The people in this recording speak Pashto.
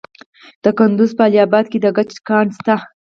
د کندز په علي اباد کې د ګچ کان شته.